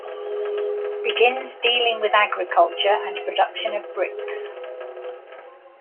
Begins dealing with agriculture and production of bricks.